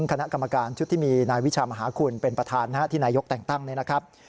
คณะกรรมการชุดที่มีนายวิชามหาคุณเป็นประธานที่นายกแต่งตั้งเนี่ยนะครับ